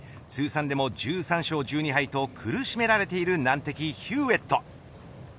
通算でも１３勝１２敗と苦しめられている難敵ヒューエット。